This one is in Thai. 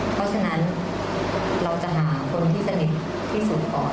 เพราะฉะนั้นเราจะหาคนที่สนิทที่สุดก่อน